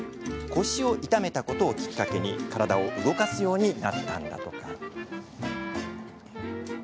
腰を痛めたことをきっかけに体を動かすようになったんだとか。